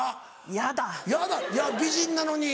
ヤダ美人なのに。